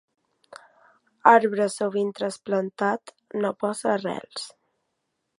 Arbre sovint trasplantat no posa arrels.